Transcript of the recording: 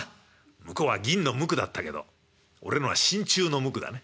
向こうは銀の無垢だったけど俺のは真鍮の無垢だね。